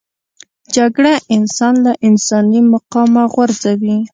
جګړه انسان له انساني مقامه غورځوي